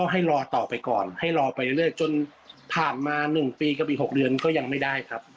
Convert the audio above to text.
ให้รอต่อไปก่อนให้รอไปอย่างเดียวจนผ่านมานึงปีกว่าอีก๖เดือนก็ยังไม่ได้ครับ